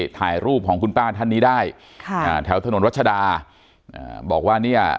ถ่ายรูปของคุณป้าท่านนี้ได้ค่ะอ่าแถวถนนรัชดาอ่าบอกว่าเนี่ย